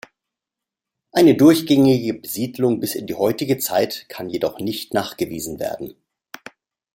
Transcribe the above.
Eine durchgängige Besiedlung bis in heutige Zeit kann jedoch nicht nachgewiesen werden.